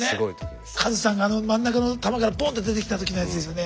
カズさんがあの真ん中の玉からボンッて出てきた時のやつですよね。